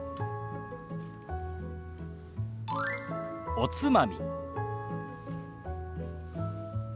「おつまみ」。